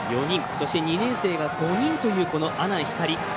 そして、２年生が５人という阿南光。